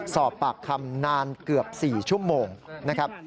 สอบปากคำนานเกือบ๔ชั่วโมงนะครับ